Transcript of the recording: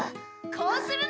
こうするのだ。